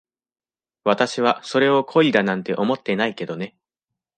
私はそれを恋だなんて思ってないけどね。